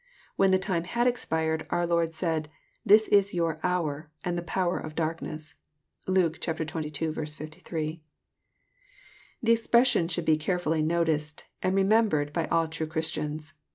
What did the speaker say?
When the time had expired, our Lord said, <'This is your hour, and the power of darkness." (Luke xxii. 58.) The cxpr06sion should be carefully noticed, and remembered by all true Christians.